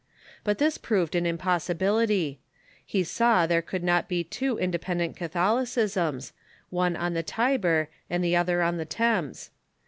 But this proved an impossibility. He saw there could not be two independent Catholicisms, one on the Tiber and the other on the Thames.